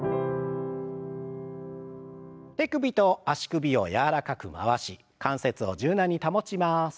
手首と足首を柔らかく回し関節を柔軟に保ちます。